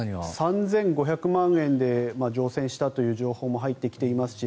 ３５００万円で乗船したという情報も入ってきていますし。